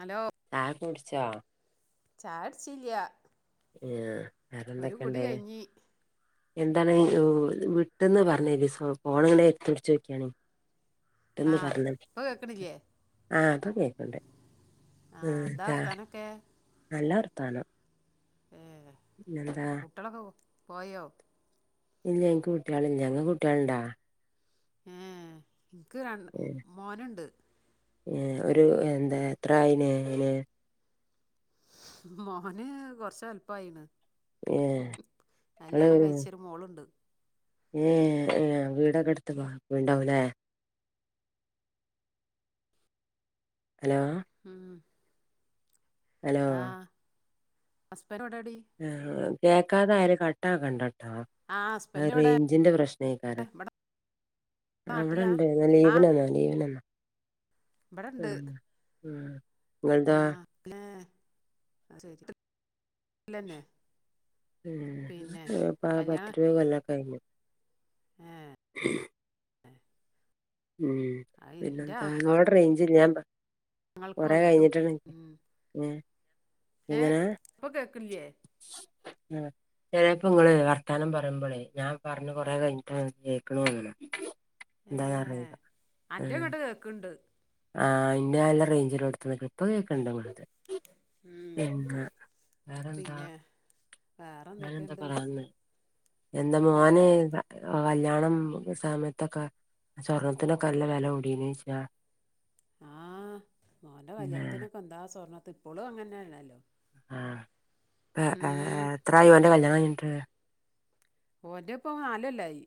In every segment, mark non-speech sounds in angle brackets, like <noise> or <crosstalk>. Hello ചായ കുടിച്ചോ ചായ കുടിച്ചില്ല്യ ആ വേറെ എന്തൊക്കെയുണ്ട് എന്താണ് വിട്ടീന്ന് പറഞ്ഞാരുന്നു ഫോണിങ്ങനെ എടുത്ത് പിടിച്ചിരിക്കുവാണേ ആ ഇപ്പോ കേക്കണില്ലേ ആ ഇപ്പോ കേക്കണുണ്ട് ആ ഉം എന്താ ആ വർത്താനൊക്കെ നല്ല വർത്താനം ഏ പിന്നെന്താ കുട്ടികളൊക്കെ പോയോ ഇല്ല എനിക്ക് കുട്ടികൾ ഇല്ല നിങ്ങൾക്ക് കുട്ടികളുണ്ടാ ഏ എനിക്ക് രണ്ട് മോനുണ്ട് ഏ ഒരു എന്താ എത്രായിന്ന് അയിന് മോന് കൊറച്ച് വലിപ്പം ആയിണ് ഏ നിങ്ങള് കഴിച്ചൊരു മോളുണ്ട് ഏ ഏ വീടൊക്കെ അടുത്ത് ഉണ്ടാവും അല്ലേ ഹലോ ഉം ഹലോ ആ <unintelligible> കേക്കാതെ വരും കട്ടാക്കണ്ട കേട്ടോ ആ അത് ഹസ്ബൻഡ് ഇവിടെ റേഞ്ചിന്റെ പ്രശ്നേക്കാരം ഇവിടെ ആ നാട്ടിലാ ഇവിടുണ്ട് ലീവിന് വന്നതാ ലീവിന് വന്നതാ ഇവിടൊണ്ട് ഉം ആ അല്ല <unintelligible> ഉം പിന്നെ പ കല്യാണം പത്തിരുപത് കൊല്ലവൊക്കെ കഴിഞ്ഞു ഏ <inaudible> ഉം അത് എൻ്റെ പിന്നെന്താ ഇങ്ങടവിടെ റേഞ്ചില്ലേ <unintelligible> ആങ്ങൾക്കും കുറെ അങ്ങനെ കഴിഞ്ഞിട്ടാണ് ഉം ഉം ഏ ഇപ്പം കേക്കണില്ലേ ആ ചിലപ്പോ നിങ്ങള് വർത്താനം പറയുമ്പോളേ ഞാൻ പറഞ്ഞ് ആ കൊറേ കഴിഞ്ഞിട്ടാണ് നിങ്ങക്ക് കേ ൾക്കണതെന്ന് തോന്നുന്നു ഏ എന്താ അന്റെ ഇങ്ങട്ട് കേക്കണുണ്ട് ആ ഇൻ്റെ നല്ല റേഞ്ച് ഉള്ളോടത്ത് നിക്കണ് ഇപ്പം കേൾക്കുന്നുണ്ട് ഇങ്ങളു ടേത് ഉം പിന്നേ വേറെന്താ പിന്നെ വേറെ ഞാനെന്താ എന്തൊക്കെയുണ്ട് പറയാൻ വന്നെ എന്താ മോന് വേറെ കല്യാണം സമയത്തൊക്കെ സ്വർണത്തിനൊക്കെ നല്ല വില കൂടിയോന്ന് ചോദിച്ചതാ ആ മോന്റെ ഏഹ് കല്യാണത്തിനൊക്കെ എന്താ സ്വർണ്ണത്തി ഇപ്പോളും അങ്ങനെ ആണല്ലോ ആ ഇപ്പോ എത്രയായി ഓന്റെ കല്യാണം കഴിഞ്ഞിട്ട് ഓന്റെ ഇപ്പോ നാല് കൊല്ലായി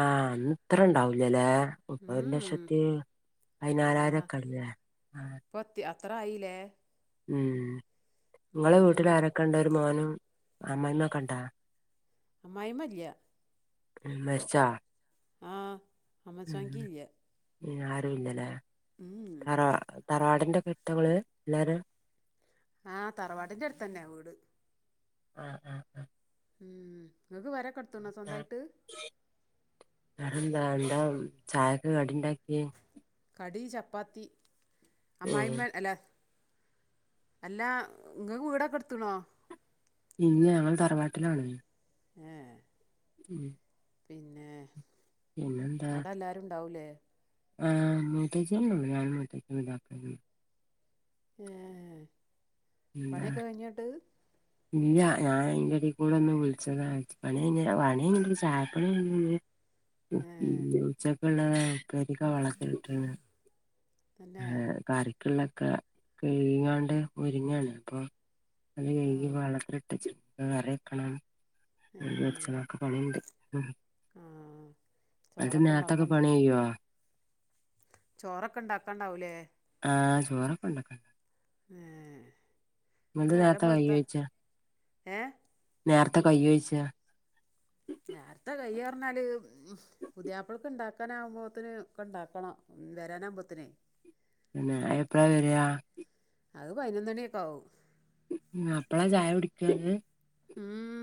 ആ അന്ന് ഇത്ര ഇണ്ടാവൂലല്ലേ മുപ്പത് ഉം ലക്ഷത്തി ആ പതിനാറായിരംക്കെ അല്ലേ ആ ഇപ്പൊ അത്തി- അത്ര ആയിലേ ഉം ഇങ്ങളെ വീട്ടിൽ ആരൊക്കെ ഉണ്ടൊരു മോനും അമ്മമ്മൊക്കെ ഉണ്ടാ അമ്മായിയമ്മ ഇല്ല്യാ ഉം മരിച്ചാ ആ <unintelligible> ആരും ഇല്ലല്ലേ ഉം തറവാ തറവാടിന്റെ ഘട്ടങ്ങള് എല്ലരും ആഹ് തറവാടിന്റെ അടുത്തന്നെയാ വീട് ആഹ് ആഹ് ഹ ഉം ഇങ്ങക്ക് പെരെക്കടത്തുണ്ടോ സ്വന്തായിട്ട് അതെന്താ ണ്ടാ ചായൊക്കെ കടി ഉണ്ടാക്കിയെ കടി ചപ്പാത്തി ഏഹ് അമായിമായ് അല്ല അല്ല ഇങ്ങക്ക് വീടൊക്കെ എടുത്തുണോ ഇന്ന് ഞങ്ങൾ തറവാട്ടിലാണ് ആഹ് ഉം പിന്നെ അടെ എല്ലാരും ഉണ്ടാവൂലേ ആ മൂത്തേച്ചിയല്ലോള്ളൂ ഞാൻ മൂത്തേ ഏ എന്താ പണിയൊക്കെ കഴഞ്ഞോട്ട് ഇല്ല ഞാൻ അയ്ന്റെടേയിൽ കൂടെ ഒന്ന് വിളിച്ചത പണി ഞ്ഞ് പണി ചായപ്പണി ഉം ഏ ഉം ഉച്ചക്കൊള പെരിക വളർച്ചട്ടണ് തന്നെ ഏ കറിക്കുള്ളൊക്കെ കഴിയാണ്ട് ഒരുങ്ങ്യാണ് അപ്പൊ അത് ആ കഴുകി വെള്ളത്തിലിട്ട് ച് കറീയ്ക്കണം ഏ വച്ച നക്ക് പണീണ്ട് ഉം ആ അത് ചോറൊക്കെ നേത്തൊക്കെ ഉണ്ടാക്കണ്ട പണി ചെയ്യുവോ ചോറൊക്കെ ഇണ്ടാക്കാണ്ടാവൂലേ ആഹ് ചോറൊക്കെ ഉണ്ടാക്കാണ്ട് ഏ എന്താ നേരം നേരത്തെ വെളുത്ത കൈകിയെച്ച ഏ നേരത്തെ കൈകിയൊഴിച്ച നേരത്തെ കയ്യാ പറഞ്ഞാല് പുതിയാപ്പൾക്ക് ഇണ്ടാക്കാന് ആകുമ്പോത്തിന് ഒക്കെ ഉണ്ടാക്കണം ഉം വരാനാകുമ്പോത്തനേ പിന്നെ എപ്പം വരിയാ അത് പതിനൊന്ന് മണിയൊക്കെ ആവും ഉം അപ്പളാ ചായ കുടിക്കാത് ഉം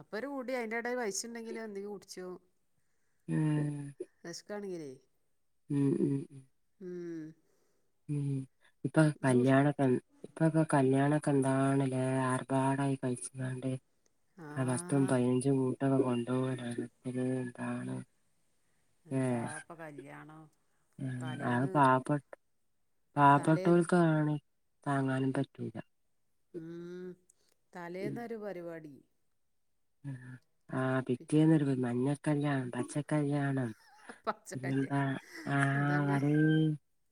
അപ്പൊ ഒരു കുടി അയിന്റെടെ വൈസുണ്ടെങ്കിലൊ എന്തെങ്കിലും കുടിച്ചോ ഉം ഇതാണെങ്കിലേ മ്ം ഉം ഉം ഉം ഇപ്പൊ ഇജ്ജ് കുടി കല്യാണൊക്കെ ഇപ്പൊക്കെ കല്യാണൊക്കെ എന്താണ്ല്ലേ ആർപാടായി കഴിച്ച്ടാണ്ട് ആ പത്തും പതിനഞ്ചും കൂട്ടകൾ കൊണ്ടു പോകാനാണ് ത്തി എന്താണ് ഏ എന്താ ഇപ്പൊ കല്യാണം തലേന്ന് തലേന്ന് പാപ്പെട്ടോൾക്കാണ് താങ്ങാനും പറ്റൂല്ല ഉം ഉം തലേന്നൊരു പരിപാടി ആ പി- പിറ്റേന്നൊരു മഞ്ഞക്കല്യാണം പച്ചക്കല്യാണം പച്ച പിന്ന കല്യാണം എന്താ, ആ അതന്നെ വരെ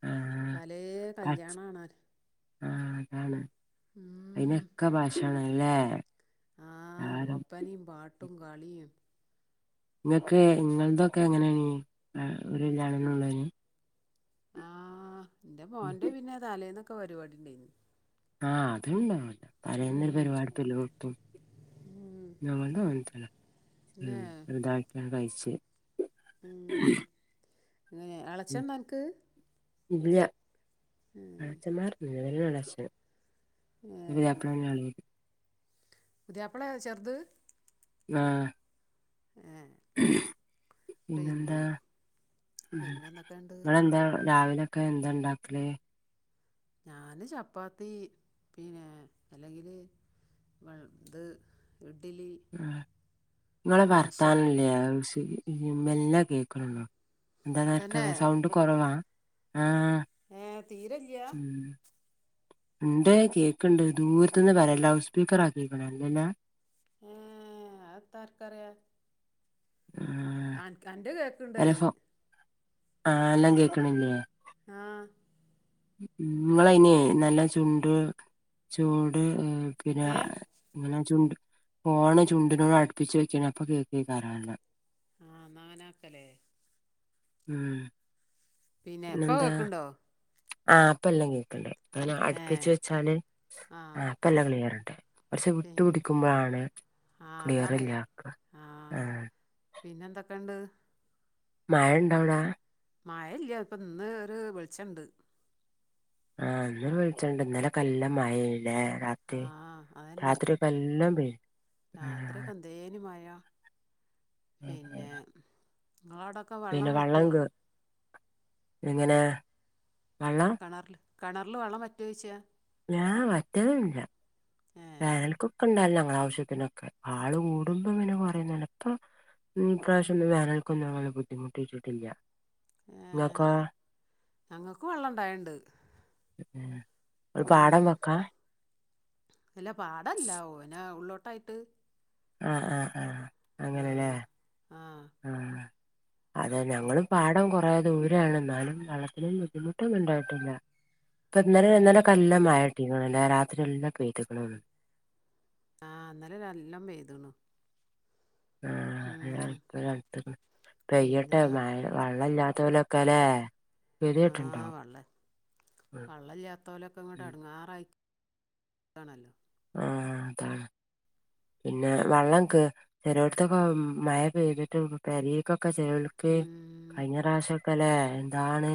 ആ പലേ പച്ച കല്യാണാണ് അ ആ അതാണ് അതിനനൊക്കെ <unintelligible> ആഹ് ഒപ്പനിയും പാട്ടും കളിയും നിങ്ങക്ക് നിങ്ങള്തൊക്കെ എങ്ങനെയാണ് വരെ കല്യാണങ്ങളൊള്ളേന് ആഹ് എന്റെ മോന്റെ പിന്നെ തലേന്നൊക്കെ പരിപാടി ഉണ്ടായിരുന്നു. ആഹ് അതുണ്ടാവുംതലേന്നൊരു ഉം പരിപാടിപ്പൊല്ലോട്ത്തും നമ്മളതും പിന്നെ <unintelligible> എന്താല്ക്ക ഇ കഴിച്ചോ ഏഹ് എളച്ചണ്ടോ അനക്ക്? ഇല്ല, എളച്ചന്മാർ ഇല്ലാ <unintelligible> പുതിയാപ്പള <unintelligible> പുതിയപ്പളെ ചെറുത്. ആ ഏ പിന്നെ പിന്നെന്താ ഉം പിന്നെന്തൊക്കെയുണ്ട് നിങ്ങളെന്താ രാവിലെയൊക്കെ എന്താണ്ടാക്കല്? ഞാന് ചപ്പാത്തി പിന്നെ അല്ലെങ്കില് വ ഇത് ഇഡ്ഡലി നിങ്ങളെ ദോശ ഭർത്താവല്ലേ മെല്ല കേക്കണള്ളൂ. എന്താന്നെ തന്നെ ആരെകാരിയാ സൗണ്ട് കുറവ. ആ തീരല്ലയാ ഉണ്ട് കേക്കണ്ട് ദൂരത്തുന്ന് പറയാ ലൗഡ് സ്പീക്കറാക്കികണോ ഇല്ലല്ലോ. ആ അതെന്താ ആരെക്കറിയ. ആ അനക്ക് ആന്റത് കേക്കണ്ടല. ആ എല്ലാം കേക്കണില്ലേ? ആ നിങ്ങളന നല്ല ചുണ്ട് ചൂട് ഏ പിന്നെ ഏ ഇങ്ങനെ ചുണ്ട് ഫോണ് ചുണ്ടിനോട് അടുപ്പിച്ച് വെക്കണ അപ്പൊ. <unintelligible> ആ ന്നാങ്ങനെനാക്കല്ലേ? ഉം പിന്നെ ഇപ്പോ കേക്കണ്ടോ? ആ ഇപ്പ എല്ലാം കേൾക്കണ്ട്. അങ്ങനെ ഏ അടുപ്പിച്ച് വെച്ചാല് ആ ഇപ്പ എല്ലാം ക്ലിയർണ്ട്. കുറച്ച് പിന്നെ വിട്ടുപിടിക്കുമ്പോഴാണ് ആഹ് ക്ലിയർ അതാണേ ല്ലാക. ആ ആഹ് പിന്നെ എന്തൊക്കെയണ്ട്. മഴ ഇണ്ടവിടാ. മഴ ഇല്ല ഇപ്പൊ ഇന്ന് ഒരു വെളിച്ചണ്ട്. ആ ഇന്ന് വെളിച്ചണ്ട് ഇന്നലെക്കെ നല്ല മഴ ലെ അല്ല രാത്രി. ആഹ് അതന്നെ രാത്രിയൊക്കെ നല്ലോം പെയ് രാത്രിയൊക്കെ എന്തെനിമഴ പിന്നെ നിങ്ങള അടൊക്കെ വെള്ളം പിന്നെ വള്ളം വറ്റോ. കേ എങ്ങനെ വള്ളം കിണറില് കിണറില് വെള്ളം വറ്റോയ്ച്ചാ. ഞാൻ വറ്റലൊന്നില്ല ഏഹ് വേനൽക്കൊക്കെ ഇണ്ടല്ലോ ആവശ്യത്തിനൊക്കെ ആള് കൂടുമ്പങ്ങനെ പറയും ങ്ങനെ ഇപ്പോ ഉം ഈ പ്രാവശ്യന്നും വേനൽക്കൊന്നും ബുദ്ധിമുട്ടിട്ടില്ല. ഏ ഞങ്ങൾക്ക് വെള്ളം ഇണ്ടായണ്ട്. ഒരു പാടം ഉം വക്കാ. ഇല്ല പാടല്ല ഓനെ ഉള്ളോട്ടായിട്ട്. ആഹ് ആഹ ആഹ് അങ്ങനെല്ലേ ആഹ് ആഹ് ആഹ് അതെ പി ഞങ്ങളും പാഠം കൊറേ ദൂരാണ് എന്നാലും വള്ളത്തിനും ബുദ്ധിമുട്ടൊന്നും ഉണ്ടായിട്ടില്ല ഇപ്പ ഇന്നലെ ഏഹ് ഇന്നലെക്കല്ലമയയാ കുട്ടികൾ എല്ല രാത്രിയല്ല <unintelligible> ആ ഇന്നലെ നല്ലാം പെയ്തണേ. ആ <unintelligible> പെയ്യട്ടെ പിന്നെന്താ മഴ <unintelligible> വെള്ളല്ലാത്ത ഓലൊക്കെ അല്ലേ. ആ വള്ള വള്ളില്ലാത്തോലൊക്കെ ഇങ്ങോട്ട് എടെങ്ങേറായി കാണല്ലോ ആഹ അതാ പിന്നെ വെള്ളംക്ക് ചെരേട്ത്തൊക്കെ മഴ പെയ്തിട്ട് പരീക്കൊ ക്കെ ചെലോൽക്ക് ഉം കഴിഞ്ഞ പ്രാവശ്യ ല്ലേ എന്താണ്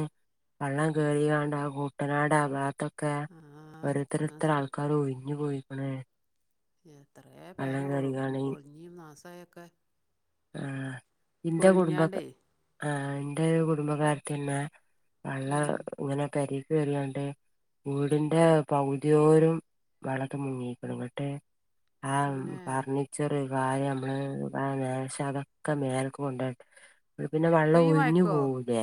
വള്ളം കേറികാണ്ട് കൂട്ടനാടാ ആ ഭാഗ ക്കെ ആ ഓരോരുത്തർ ഓരോരുത്തർ അതല്ല ആൾക്കാർ ഒഴിഞ്ഞു പോയിക്കണേ എത്രയ പെരാ കൊഴിഞ്ഞിയും നാസായൊക്കെ? ആ ഇന്റെ കുടുംബക്കാ പൊളിഞ്ഞാണ്ടേ ആ എന്റെ കുടുംബകാര് തിന്നെ വള്ള ഉം ഇങ്ങനൊക്കെരി റിയണ്ട് വീടിന്റെ പകുതിയോരും വളക്കെ മുങ്ങിക്കണങ്ങട്ട് ആ തന്നെ ഫർണിച്ചർ കാര്യം മ്മള് <unintelligible> അതക്ക മേൽക്ക് കൊണ്ട പിന്നെ ഇപ്പൊ വെള്ളം ഈ ഒഴിഞ്ഞു മയക്കോ പോവൂലേ?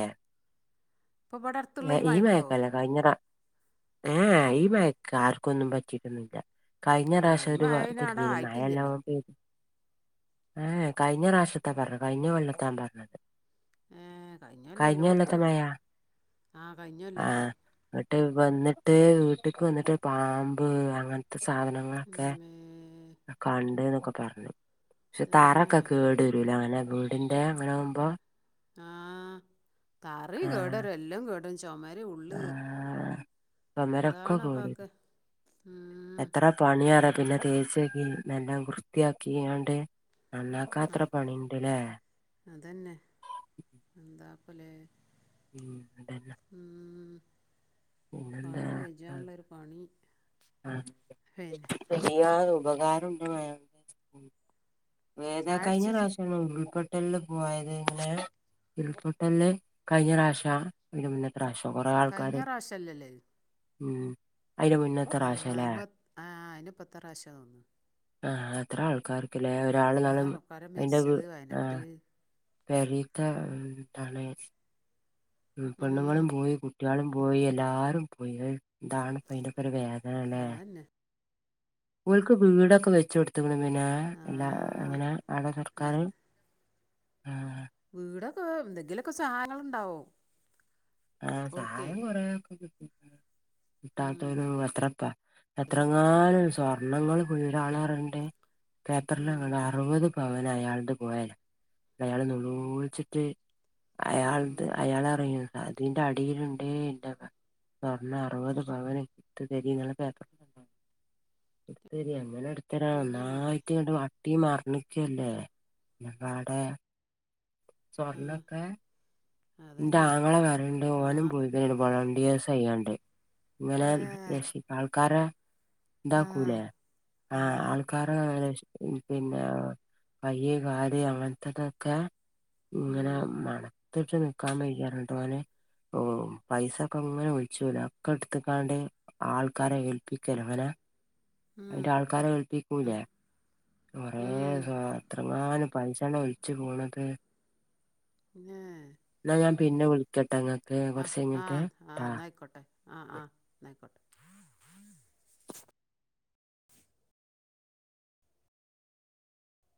ഇപ്പൊ ഇവിടെ അടുത്തുള്ള എ ഈ മയക്കോ മയക്കല്ല കഴിഞ്ഞ ഏ ഈ മയക്കാർക്കൊന്നും പറ്റിട്ടൊന്നില്ല കഴിഞ്ഞ ആ ഈ പ്രാവശ്യം മയ ഒരു അയിന് അവിടെ തിരിഞ്ഞിൻ ആയിട്ടില്ലല്ലോ മഴയല്ലാവും ഏ കഴിഞ്ഞ പ്രാവശ്യത്തെ പറഞ്ഞു കഴിഞ്ഞൊല്ലത്താണ് പറഞ്ഞത്. ഏ കഴിഞ്ഞ കൊല്ലത്തെ കഴിഞ്ഞല്ലൊല്ലോടുത്തങ്ങ് മഴ ആഹ ആ കഴിഞ്ഞൊല്ലത്തെ എന്നിട്ട് വന്നിട്ട് വീട്ട്ക്ക് വന്നിട്ട് പാമ്പ് അങ്ങത്തെ സാധനങ്ങളൊക്കെ ഉമ്മേ കണ്ട് ന്നൊക്കെ പറഞ്ഞു പക്ഷെ തന്നെ താറൊക്കെ കേടു വരൂലെ അങ്ങനെ വീടിന്റെ അങ്ങനാകുമ്പോ ആഹ കറി ആ കേടരു എല്ലാം കേടും ചമര് ഉള്ള് ആഹ് ചൊമരൊക്കെ കേടരൂ എന്താണപ്പാക്ക് ഉം എത്ര പണിയറ പിന്നെ തേച്ചങ്കിൽ നല്ലാം വൃത്തിയാക്കിയാണ്ട് നന്നാക്ക ആ എത്ര പണീണ്ടല്ലേ അതന്നെ എന്താപ്പല്ലേ ഉം അതല്ല ഉം, പണി കജ്ജാനുള്ളൊരു പണി ആ പിന്നെ <unintelligible> ഉപകാരം <unintelligible> വേതാ ചായ കഴിഞ്ഞ അടിച്ചേച്ചി പ്രാവശ്യങ്ങ ഉൾപ്പെ ല്ലൊ പോയത് പിന്നെ ഉൽ പൊട്ടലിൽ കഴിഞ്ഞ പ്രാവശ്യ അയിന് മുന്നെ <unintelligible> കൊറെ കഴിഞ്ഞ ആൾക്കാര് പ്രാവശ്യമല്ലല്ലേ ഇത്? ഉം അയിന്റെ മുന്നത്തെ ആ പ്രാവശ്യല്ലേ അയിമ്പ ആ അയിന്പ്പത്താ പ്രാവശ്യം തോന്നുന്നു ആഹ അത്ര ആൾക്കാർക്കില്ലേ ഇത്ര കാലം പലരും മരിച്ചത് വയനാട്ടിൽ പെറിക്ക ട്ടാണ് ഉം പെണ്ണുങ്ങളും പോയി കുട്ടികളും പോയി എല്ലാരും പോയി എന്താണ് അയിന്റൊക്കെ ഒരു വേ ന്താ ല്ലെ അതന്നെ ഓൽക്ക് വീടൊക്കെ വെച്ചൊടുത്ത് പിന്നെ ആ എന്താ അങ്ങനെ ആടെ സർക്കാര് എന്ത് ആഹ് ആഹ് എന്തെങ്കിലൊക്ക സഹായങ്ങളുണ്ടാവൂ ആ സഹായം കൊറേ ഉം, കിട്ടാത്തോര് എന്തെങ്കിലും എത്രപ്പാ എത്രങ്ങാലും സ്വാ വണ്ണങ്ങൾ കീടാണാറണ്ട് ആ, പേപ്പറിൽ അറുപത് അവന അയാളുടെ പോയാല അയാൾ ഉം, നൂളിച്ചിട്ട് അയാൾത് ഉം, അയാളറിയാ അതിന്റെ അടിയിലുണ്ട് എന്റെ സ്വർണ്ണ അറുപത് പവന്ട്ട്തരി എന്നുള്ള പേപ്പറി എടുത്തരി അങ്ങനെ എടുത്തരാന പിന്നെ ഒന്നായിറ്റ്ണ്ട് അട്ടിമറില്ലേഞ്ഞ്ക്കല്ലേ. പാടെ ആ സ്വർണൊക്കെ ന്റെ അതന്നെ ആങ്ങളെ വറണ്ട് ആ ഓനും വീട്ടേരും പാടെ വോളണ്ടിയേഴ്സ്യ്യണ്ട്. ങ്ങനെ ഏ പ്പാൾക്കാരെ ആ ണ്ടാക്കൂലേ ആ ആൾക്കാരെ പിന്നെ പയ്യ് കാട് അങ്ങനത്തതൊക്കെ ങ്ങനെ ഉം മണത്തിട്ട് നിക്കാൻ വയ്യാ റുട്ടുഓനെ ഓ പൈസൊക്കെങ്ങനെ വിളിച്ചാല് ഒക്കെ എടുത്തക്കാണ്ട് ആൾക്കാരെ ഏൽപ്പിക്കല് അവനാ ഉം ഉം അതിന്റെ ആൾക്കാരേ ൽപ്പിക്കൂല്ലേ ഉം കൊറേസോത്രം ആണ് പൈസ ഒലിച്ച് പോണത്. ഉം എന്നാ ഞാൻ പിന്നെ വിളിക്കട്ടൊ ങ്ങ അ ആ ആ ആയിക്കോട്ടെ ആ ആ നയിക്കോ